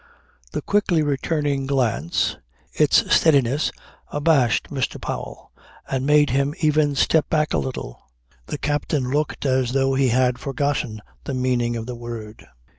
The quickly returning glance, its steadiness, abashed Mr. Powell and made him even step back a little. The captain looked as though he had forgotten the meaning of the word.